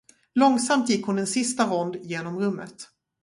Långsamt gick hon en sista rond genom rummet.